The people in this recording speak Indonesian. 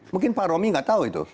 mungkin pak romi nggak tahu itu